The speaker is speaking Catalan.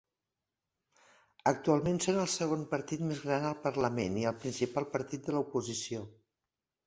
Actualment són el segon partit més gran al Parlament i el principal partit de l'oposició.